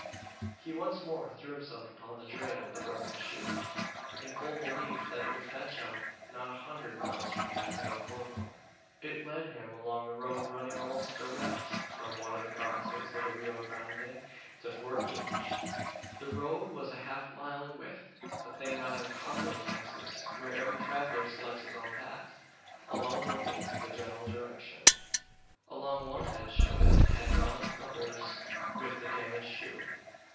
He once more threw himself upon the trail of the broken shoe, in full belief that it would fetch out not a hundred miles from Casa del Corvo. It led him along a road running almost direct from one of the crossings of the Rio Grande to Fort Inge. The road was a half mile in width a thing not uncommon in Texas, where every traveller selects his own path, alone looking to the general direction. Along one edge of it had gone the horse with the damaged shoe.